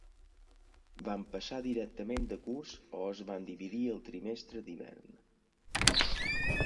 Van passar directament de curs o es van dividir al trimestre d'hivern.